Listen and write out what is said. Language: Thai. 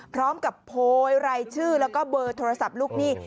พร้อมกับโพยรายชื่อแล้วก็เบอร์โทรศัพท์ลูกหนี้